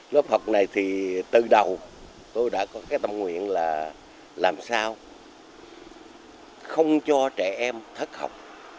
lớp học này thì từ đầu tôi đã có cái tâm nguyện là làm sao không cho trẻ em thất học